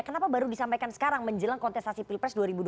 kenapa baru disampaikan sekarang menjelang kontestasi pilpres dua ribu dua puluh